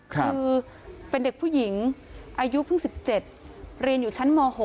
คือเป็นเด็กผู้หญิงอายุเพิ่ง๑๗เรียนอยู่ชั้นม๖